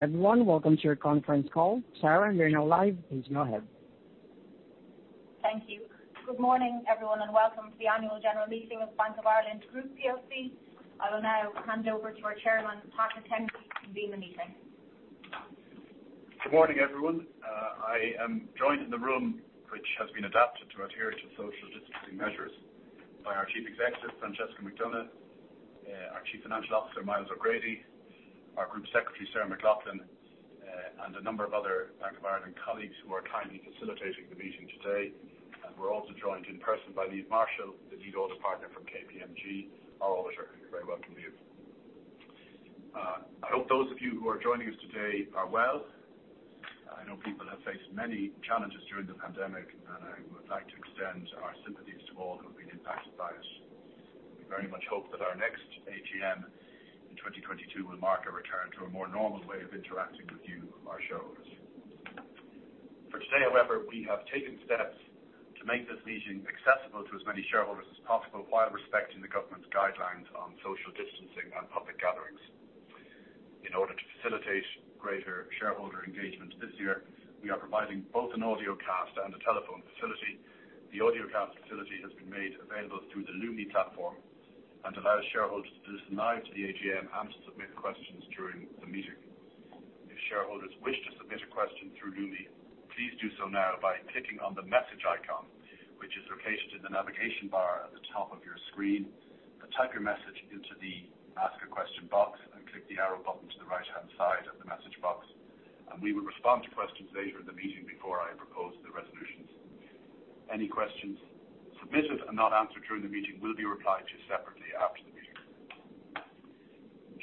Thank you. Good morning, everyone, and welcome to the Annual General Meeting of Bank of Ireland Group plc. I will now hand over to our Chairman, Patrick Kennedy, to begin the meeting. Good morning, everyone. I am joined in the room, which has been adapted to adhere to social distancing measures, by our Chief Executive, Francesca McDonagh, our Chief Financial Officer, Myles O'Grady, our Group Secretary, Sarah McLaughlin, and a number of other Bank of Ireland colleagues who are kindly facilitating the meeting today. We're also joined in person by Lee Marshall, the lead audit partner from KPMG. All of which are very welcome here. I hope those of you who are joining us today are well. I know people have faced many challenges during the pandemic, and I would like to extend our sympathies to all who have been impacted by it. We very much hope that our next AGM in 2022 will mark a return to a more normal way of interacting with you, our shareholders. For today, however, we have taken steps to make this meeting accessible to as many shareholders as possible while respecting the government guidelines on social distancing and public gatherings. In order to facilitate greater shareholder engagement this year, we are providing both an audiocast and a telephone facility. The audiocast facility has been made available through the Lumi platform and allows shareholders to listen live to the AGM and to submit questions during the meeting. If shareholders wish to submit a question through Lumi, please do so now by clicking on the message icon, which is located in the navigation bar at the top of your screen. Type your message into the Ask a Question box and click the arrow button to the right-hand side of the message box, and we will respond to questions later in the meeting before I propose the resolutions. Any questions submitted and not answered during the meeting will be replied to separately after the meeting.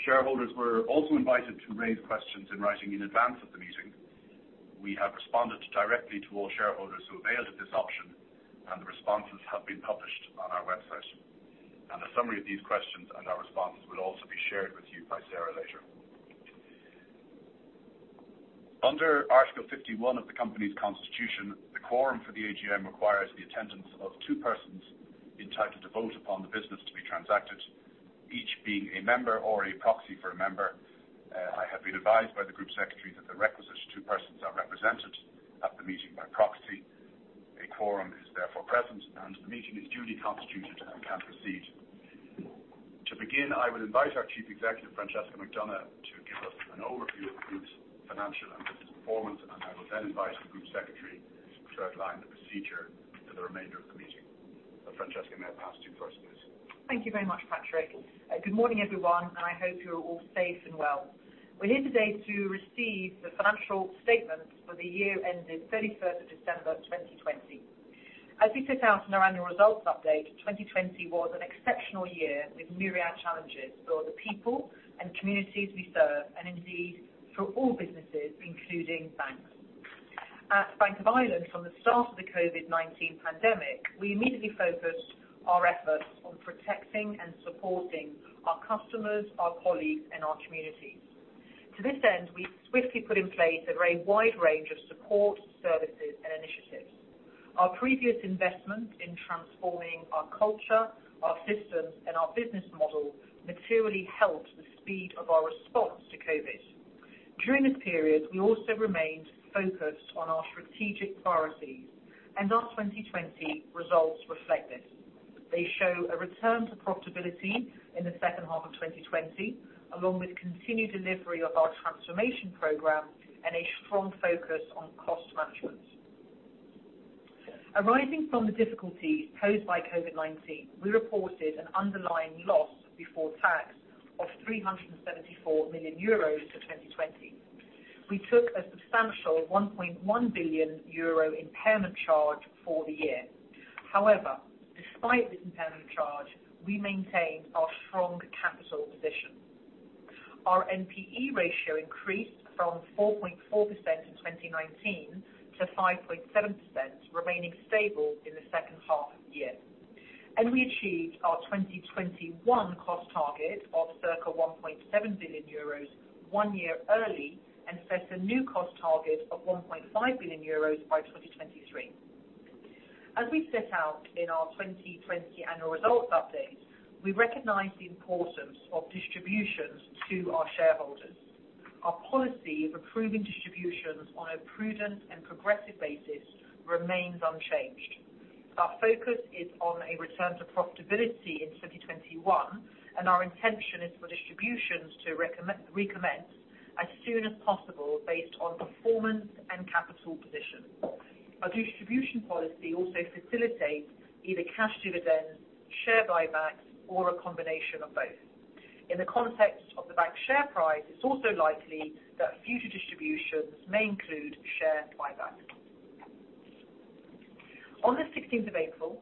Shareholders were also invited to raise questions in writing in advance of the meeting. We have responded directly to all shareholders who availed of this option, and the responses have been published on our website. A summary of these questions and our responses will also be shared with you by Sarah later. Under Article 51 of the company's constitution, the quorum for the AGM requires the attendance of two persons entitled to vote upon the business to be transacted, each being a member or a proxy for a member. I have been advised by the Group Secretary that the requisite two persons are represented at the meeting by proxy. A quorum is therefore present, and the meeting is duly constituted and can proceed. To begin, I would invite our Chief Executive, Francesca McDonagh, to give us an overview of the group's financial and business performance, and I will then invite the Group Secretary to outline the procedure for the remainder of the meeting. Francesca, may I pass to you first, please. Thank you very much, Patrick. Good morning, everyone, and I hope you are all safe and well. We're here today to receive the financial statements for the year ended 31st of December 2020. As we set out in our annual results update, 2020 was an exceptional year with myriad challenges for the people and communities we serve, and indeed for all businesses, including banks. At Bank of Ireland, from the start of the COVID-19 pandemic, we immediately focused our efforts on protecting and supporting our customers, our colleagues, and our communities. To this end, we swiftly put in place a very wide range of support services and initiatives. Our previous investment in transforming our culture, our systems, and our business model materially helped the speed of our response to COVID. During the period, we also remained focused on our strategic priorities, and our 2020 results reflect this. They show a return to profitability in the second half of 2020, along with continued delivery of our transformation program and a strong focus on cost management. Arising from the difficulties posed by COVID-19, we reported an underlying loss before tax of 374 million euros for 2020. We took a substantial 1.1 billion euro impairment charge for the year. However, despite this impairment charge, we maintained our strong capital position. Our NPE ratio increased from 4.4% in 2019 to 5.7%, remaining stable in the second half of the year. We achieved our 2021 cost target of circa 1.7 billion euros one year early and set a new cost target of 1.5 billion euros by 2023. As we set out in our 2020 annual results update, we recognize the importance of distributions to our shareholders. Our policy of improving distributions on a prudent and progressive basis remains unchanged. Our focus is on a return to profitability in 2021, and our intention is for distributions to recommence as soon as possible based on performance and capital position. Our distribution policy also facilitates either cash dividends, share buybacks, or a combination of both. In the context of the bank share price, it's also likely that future distributions may include share buybacks. On the 16th of April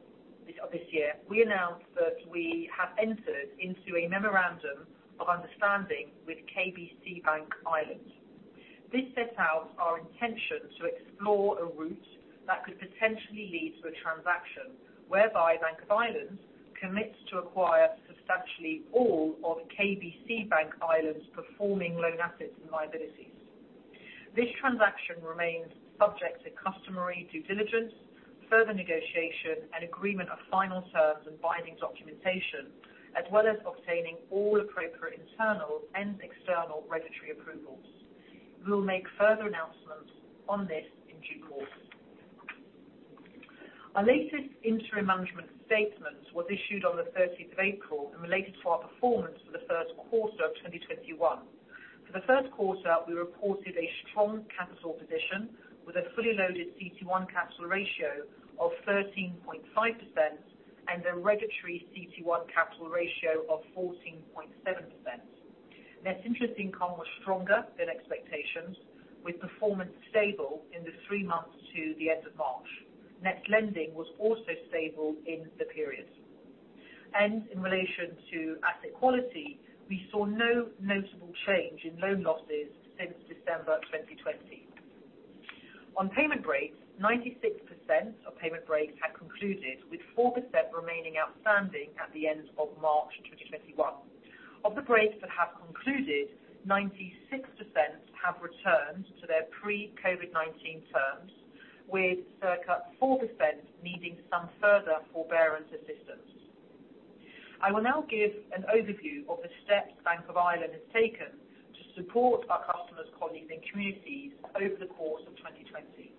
of this year, we announced that we have entered into a memorandum of understanding with KBC Bank Ireland. This sets out our intention to explore a route that could potentially lead to a transaction whereby Bank of Ireland commits to acquire substantially all of KBC Bank Ireland's performing loan assets and liabilities. This transaction remains subject to customary due diligence, further negotiation, and agreement of final terms and binding documentation, as well as obtaining all appropriate internal and external regulatory approvals. We will make further announcements on this in due course. Our latest interim management statement was issued on the 30th of April and relates to our performance for the first quarter of 2021. For the first quarter, we reported a strong capital position with a fully loaded CET1 capital ratio of 13.5% and a regulatory CET1 capital ratio of 14.7%. Net interest income was stronger than expectations, with performance stable in the three months to the end of March. Net lending was also stable in the period. In relation to asset quality, we saw no notable change in loan losses since December 2020. On payment breaks, 96% of payment breaks are concluded, with 4% remaining outstanding at the end of March 2021. Of the breaks that have concluded, 96% have returned to their pre-COVID-19 terms, with circa 4% needing some further forbearance assistance. I will now give an overview of the steps Bank of Ireland has taken to support our customers, colleagues, and communities over the course of 2020.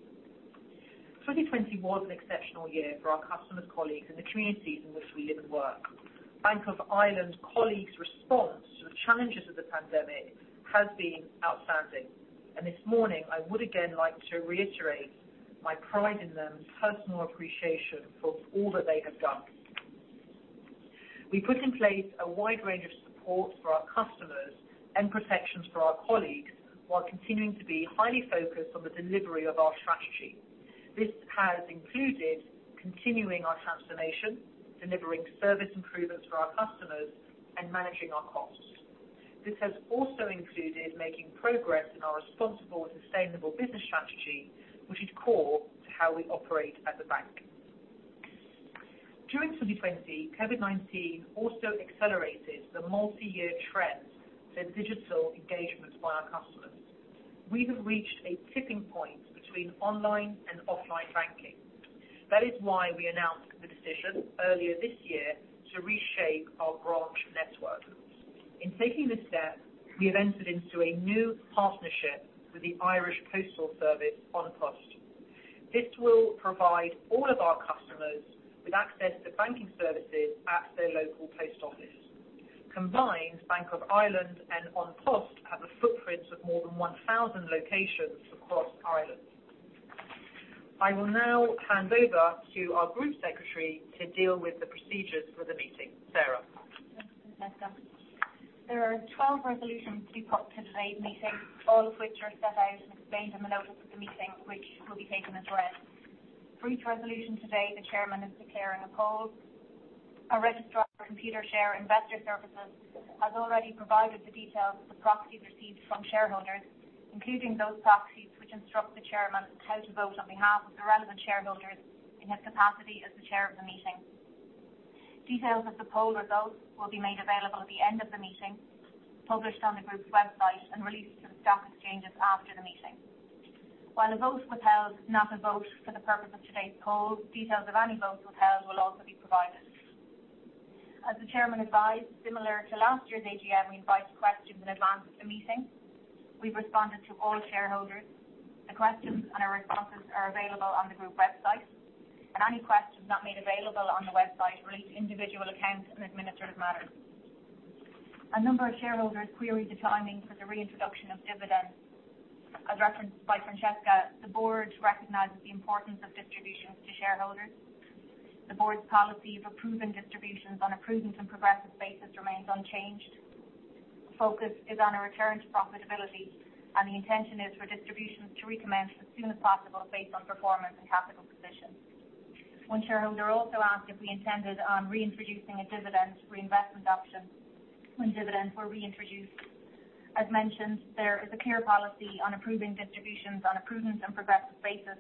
2020 was an exceptional year for our customers, colleagues, and the communities in which we live and work. Bank of Ireland colleagues' response to the challenges of the pandemic has been outstanding and this morning, I would again like to reiterate my pride in them and personal appreciation for all that they have done. We put in place a wide range of support for our customers and protections for our colleagues while continuing to be highly focused on the delivery of our strategy. This has included continuing our transformation, delivering service improvements for our customers, and managing our costs. This has also included making progress in our responsible sustainable business strategy, which is core to how we operate as a bank. During 2020, COVID-19 also accelerated the multi-year trend to digital engagement by our customers. We have reached a tipping point between online and offline banking. That is why we announced the decision earlier this year to reshape our branch network. In taking this step, we entered into a new partnership with the Irish Postal Service, An Post. This will provide all of our customers with access to banking services at their local post office. Combined, Bank of Ireland and An Post have a footprint of more than 1,000 locations across Ireland. I will now hand over to our Group Secretary to deal with the procedures for the meeting. Sarah. Thank you, Francesca. There are 12 resolutions before today's meeting, all of which are set out in the same notice of the meeting, which will be taken as read. Three resolutions today, the chairman is to chair a poll. Our registrar, Computershare Investor Services, has already provided the details of proxies received from shareholders, including those proxies which instruct the chairman how to vote on behalf of the relevant shareholders in his capacity as the chair of the meeting. Details of the poll results will be made available at the end of the meeting, published on the group's website, and released to the stock exchange after the meeting. While a vote withheld is not a vote for the purpose of today's poll, details of any votes withheld will also be provided. As the chairman advised, similar to last year's AGM, we invited questions in advance of the meeting. We've responded to all shareholders. The questions and our responses are available on the group website and any questions not made available on the website relate to individual accounts and administrative matters. A number of shareholders queried the timing for the reintroduction of dividends. As referenced by Francesca, the Board recognizes the importance of distributions to shareholders. The Board's policy for approving distributions on a prudent and progressive basis remains unchanged. The focus is on a return to profitability, and the intention is for distributions to recommence as soon as possible based on performance and capital position. One shareholder also asked if we intended on reintroducing a dividend reinvestment option when dividends were reintroduced. As mentioned, there is a clear policy on approving distributions on a prudent and progressive basis,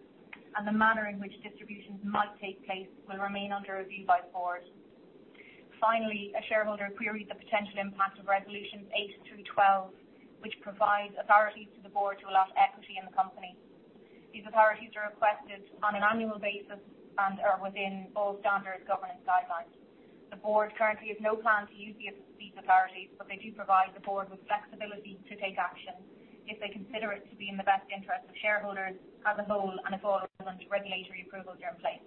and the manner in which distributions might take place will remain under review by the Board. Finally, a shareholder queried the potential impact of Resolutions 8 through 12, which provide authorities to the Board to allot equity in the company. These authorities are requested on an annual basis and are within all standard governance guidelines. The Board currently has no plan to use these authorities, but they do provide the Board with flexibility to take action if they consider it to be in the best interest of shareholders as a whole and accordingly when regulatory approvals are in place.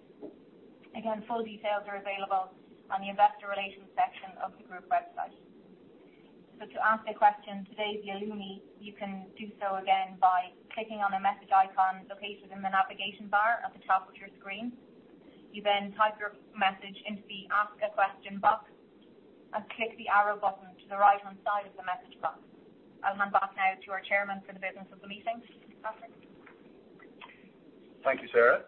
Again, full details are available on the investor relations section of the group website. To ask a question today via Lumi, you can do so again by clicking on the message icon located in the navigation bar at the top of your screen. You type your message into the ask a question box and click the arrow button to the right-hand side of the message box. I'll hand back now to our chairman for the business of the meeting. Patrick. Thank you, Sarah.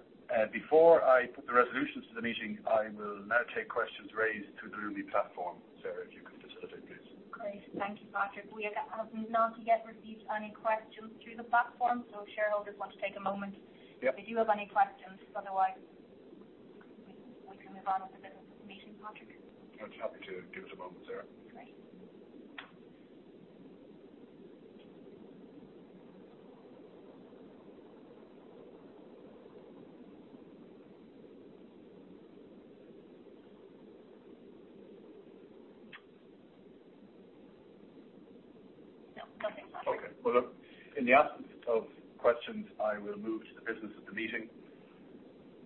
Before I put the resolutions to the meeting, I will now take questions raised through the Lumi platform. Sarah, if you could facilitate. Great. Thank you, Patrick. We have not yet received any questions through the platform, so shareholders want to take a moment. Yep. If you have any questions, otherwise, we can move on with the business of the meeting, Patrick. I'll interprete that and give it a. [inaudible] Great. In the absence of questions, I will move to the business of the meeting.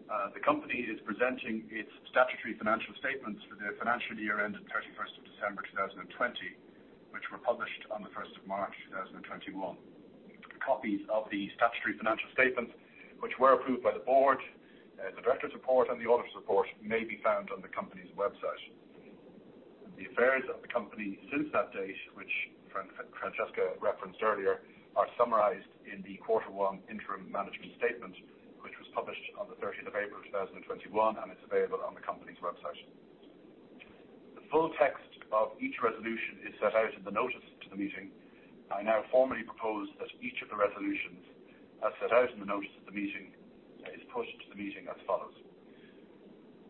The company is presenting its statutory financial statements for the financial year ended 31st of December 2020, which were published on the 1st of March 2021. Copies of the statutory financial statements, which were approved by the Board, the directors' report, and the auditor's report may be found on the company's website. The affairs of the company since that date, which Francesca referenced earlier, are summarized in the Quarter One Interim Management Statement, which was published on the 30th of April 2021, and it's available on the company's website. The full text of each resolution is set out in the notice to the meeting. I now formally propose that each of the resolutions as set out in the notice of the meeting is put to the meeting as follows.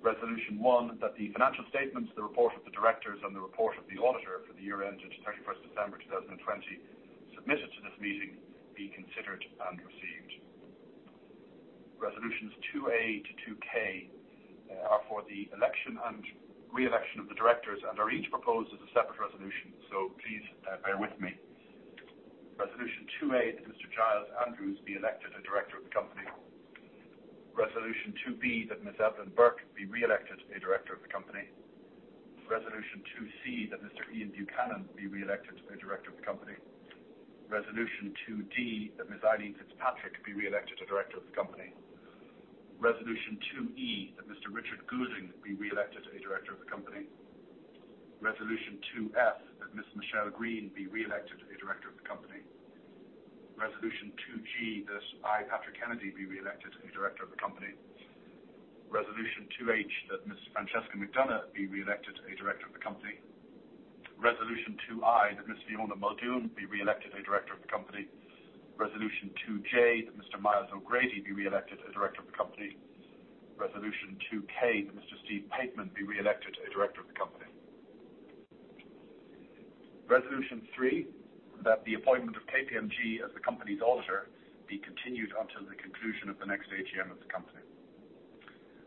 Resolution 1, that the financial statements, the report of the directors, and the report of the auditor for the year ended 31st December 2020 submitted to this meeting be considered and received. Resolutions 2(a) to 2(k) are for the election and re-election of the directors and are each proposed as a separate resolution, so please bear with me. Resolution 2(a), that Mr. Giles Andrews be elected a director of the company. Resolution 2(b), that Ms. Evelyn Bourke be re-elected as a director of the company. Resolution 2(c), that Mr. Ian Buchanan be re-elected as a director of the company. Resolution 2(d), that Ms. Eileen Fitzpatrick be re-elected as a director of the company. Resolution 2(e), that Mr. Richard Goulding be re-elected as a director of the company. Resolution 2(f), that Ms. Michele Greene be re-elected as a director of the company. Resolution 2G, that I, Patrick Kennedy, be re-elected as a director of the company. Resolution 2(h), that Ms. Francesca McDonagh be re-elected as a director of the company. Resolution 2(i), that Ms. Fiona Muldoon be re-elected a director of the company. Resolution 2(j), that Mr. Myles O'Grady be re-elected as a director of the company. Resolution 2(k), that Mr. Steve Pateman be re-elected as a director of the company. Resolution 3, that the appointment of KPMG as the company auditor be continued until the conclusion of the next AGM of the company.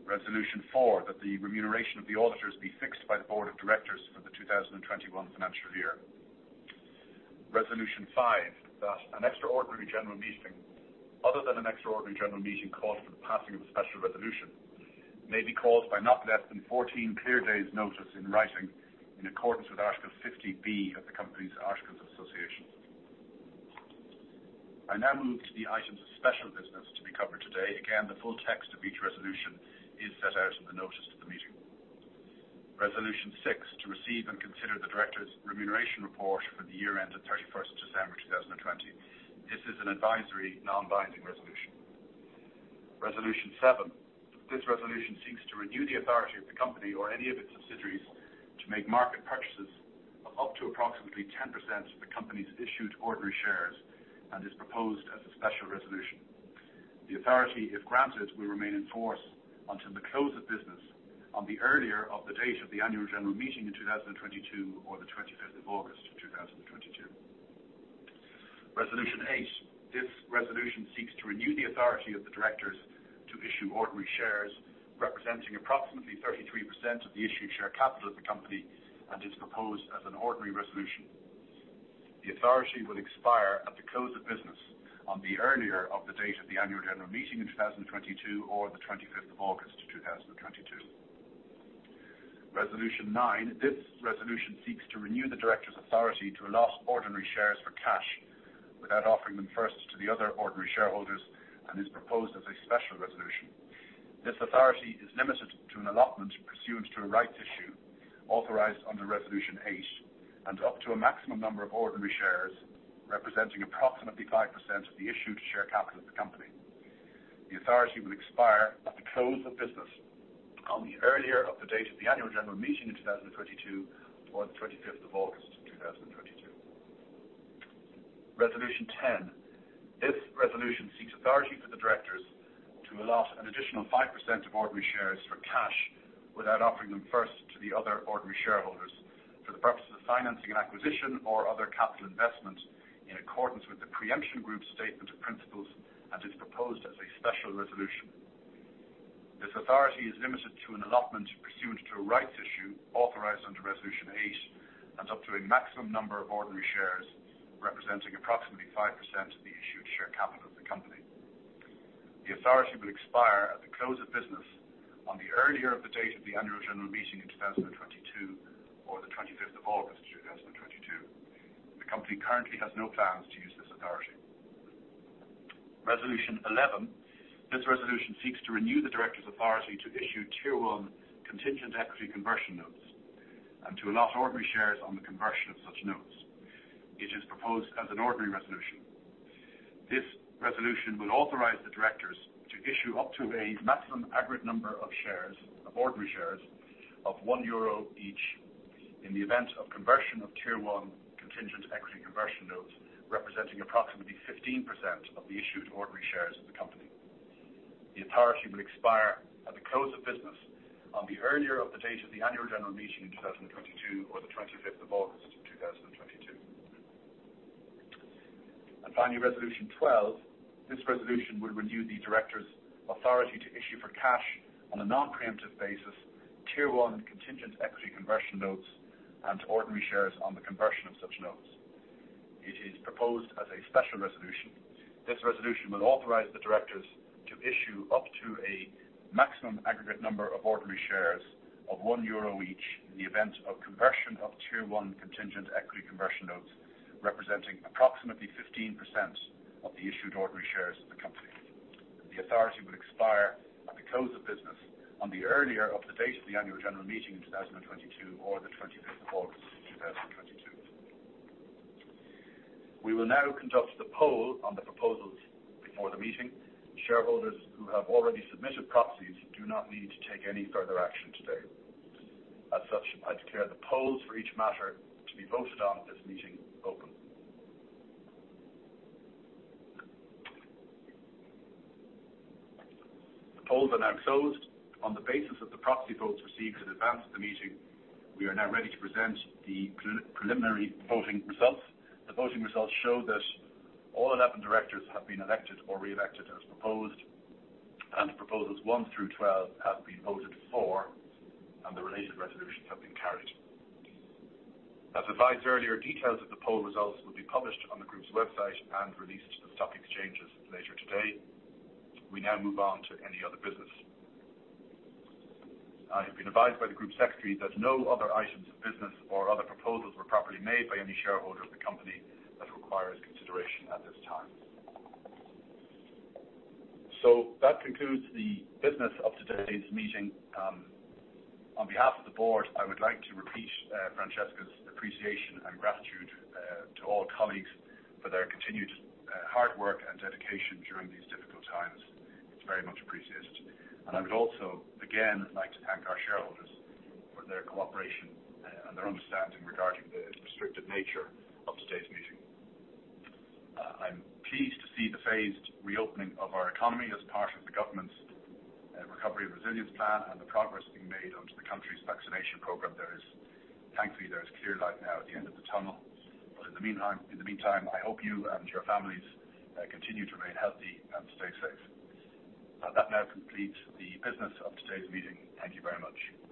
Resolution 4, that the remuneration of the auditors be fixed by the Board of Directors for the 2021 financial year. Resolution 5, that an extraordinary general meeting, other than an extraordinary general meeting called for the passing of a special resolution, may be called by not less than 14 clear days' notice in writing in accordance with Article 50B of the Company's Articles of Association. I now move to the items of special business to be covered today. Again, the full text of each resolution is set out in the notice of the meeting. Resolution 6, to receive and consider the directors' remuneration report for the year ended 31st December 2020. This is an advisory, non-binding resolution. Resolution 7. This resolution seeks to renew the authority of the company or any of its subsidiaries to make market purchases of up to approximately 10% of the company's issued ordinary shares and is proposed as a special resolution. The authority, if granted, will remain in force until the close of business on the earlier of the date of the Annual General Meeting in 2022 or the 25th of August 2022. Resolution 8. This resolution seeks to renew the authority of the directors to issue ordinary shares representing approximately 33% of the issued share capital of the company and is proposed as an ordinary resolution. The authority will expire at the close of business on the earlier of the date of the Annual General Meeting in 2022 or the 25th of August 2022. Resolution 9. This resolution seeks to renew the directors' authority to allot ordinary shares for cash without offering them first to the other ordinary shareholders and is proposed as a special resolution. This authority is limited to an allotment pursuant to a rights issue authorized under Resolution 8 and up to a maximum number of ordinary shares representing approximately 5% of the issued share capital of the company. The authority will expire at the close of business on the earlier of the date of the Annual General Meeting in 2022 or the 25th of August 2022. Resolution 10. This resolution seeks authority for the directors to allot an additional 5% of ordinary shares for cash without offering them first to the other ordinary shareholders for the purpose of financing acquisition or other capital investment in accordance with the Pre-Emption Group Statement of Principles and is proposed as a special resolution. This authority is limited to an allotment pursuant to a rights issue authorized under Resolution 8 and up to a maximum number of ordinary shares representing approximately 5% of the issued share capital of the company. The authority will expire at the close of business on the earlier of the date of the Annual General Meeting in 2022 or the 25th of August 2022. The company currently has no plans to use this authority. Resolution 11. This resolution seeks to renew the directors' authority to issue Tier 1 contingent equity conversion notes and to allot ordinary shares on the conversion of such notes. It is proposed as an ordinary resolution. This resolution will authorize the directors to issue up to a maximum aggregate number of shares, of ordinary shares, of 1 euro each. In the event of conversion of Tier 1 contingent equity conversion notes representing approximately 15% of the issued ordinary shares of the company. The authority will expire at the close of business on the earlier of the date of the Annual General Meeting in 2022 or the 25th of August 2022. Finally, Resolution 12. This resolution will renew the directors' authority to issue for cash on a non-preemptive basis Tier 1 contingent equity conversion notes and ordinary shares on the conversion of such notes. It is proposed as a special resolution. This resolution will authorize the directors to issue up to a maximum aggregate number of ordinary shares of 1 euro each in the event of conversion of Tier 1 contingent equity conversion notes representing approximately 15% of the issued ordinary shares of the company. The authority will expire at the close of business on the earlier of the date of the Annual General Meeting in 2022 or the 25th of August 2022. We will now conduct the poll on the proposals before the meeting. Shareholders who have already submitted proxies do not need to take any further action today. As such, I declare the polls for each matter to be voted on at this meeting open. The polls are now closed. On the basis of the proxy votes received in advance of the meeting, we are now ready to present the preliminary voting results. The voting results show that all 11 directors have been elected or re-elected as proposed, and proposals 1 through 12 have been voted for, and the related resolutions have been carried. As advised earlier, details of the group's website and released to the stock exchanges later today. We now move on to any other business. I have been advised by the Group Secretary that no other items of business or other proposals were properly made by any shareholder of the company that requires consideration at this time. That concludes the business of today's meeting. On behalf of the Board, I would like to repeat Francesca's appreciation and gratitude to all colleagues for their continued hard work and dedication during these difficult times. It's very much appreciated. I'd also, again, like to thank our shareholders for their cooperation and their understanding regarding the restrictive nature of today's meeting. I'm pleased to see the phased reopening of our economy as part of the government's Recovery and Resilience Plan and the progress being made on the country's vaccination program. Thankfully, there is clear light now at the end of the tunnel. In the meantime, I hope you and your families continue to remain healthy and stay safe. That now completes the business of today's meeting. Thank you very much.